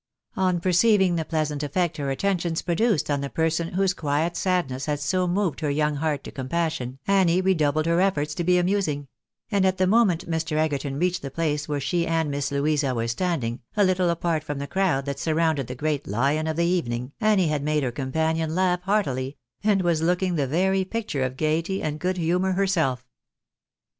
On perceiving the pleasant effect her attentions produced on the person whose quiet sadness had so moved her young heart to com passion, Annie redoubled her efforts to be amusing ; and at the moment Mr. Egerton reached the place where she and Miss Louisa were standing, a little apart from the crowd that surrounded the great lion of the evening, Annie had made her companion laugh heartily, and was looking the very picture of gaiety and good humour herself.